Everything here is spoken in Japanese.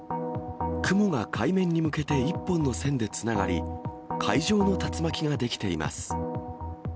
雲が海面に向けて１本の線でつながり、海上の竜巻が出来ています。